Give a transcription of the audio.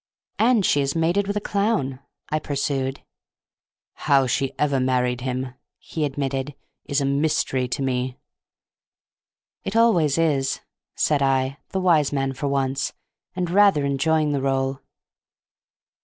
"And she is mated with a clown!" I pursued. "How she ever married him," he admitted, "is a mystery to me." "It always is," said I, the wise man for once, and rather enjoying the role.